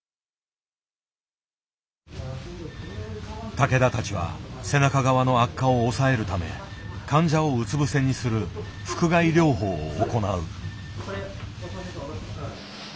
竹田たちは背中側の悪化を抑えるため患者をうつぶせにする「腹臥位療法」を行う。